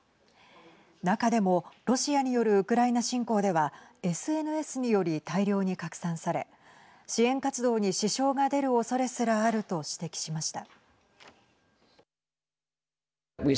中でもロシアによるウクライナ侵攻ではＳＮＳにより大量に拡散され支援活動に支障が出るおそれすらあると指摘しました。